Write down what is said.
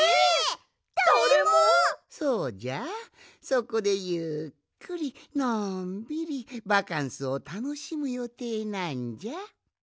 そこでゆっくりのんびりバカンスをたのしむよていなんじゃ。